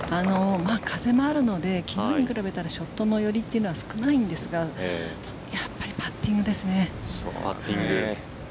風もあるので昨日に比べたらショットの寄りというのは少ないんですがやっぱりパッティングですね。